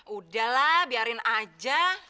udahlah biarin aja